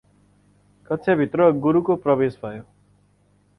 कक्षा भित्र गुरुको प्रवेश भयो।